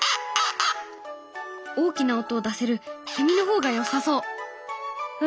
大きな音を出せるセミの方がよさそう。